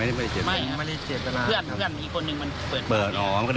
เปลี่ยมไม่ได้เจียตนา